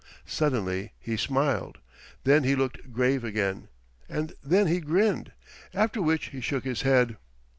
Suddenly he smiled. Then he looked grave again. And then he grinned. After which he shook his head.